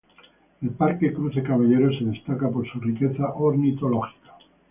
El parque Cruce Caballero se destaca por su riqueza ornitológica.